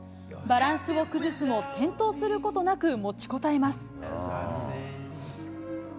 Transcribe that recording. バランスを崩すも、転倒することなく、持ちこたえます。